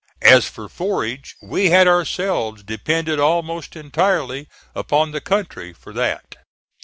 As for forage, we had ourselves depended almost entirely upon the country for that.